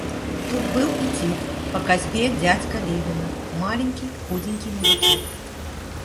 Тут был и Тит, по косьбе дядька Левина, маленький, худенький мужичок.